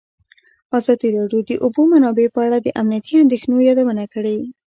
ازادي راډیو د د اوبو منابع په اړه د امنیتي اندېښنو یادونه کړې.